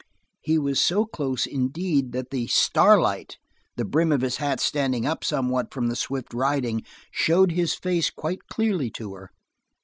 He was so close, indeed, that the starlight the brim of his hat standing up somewhat from the swift riding showed his face quite clearly to her.